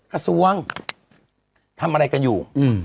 กระทรวงทำอะไรกันอยู่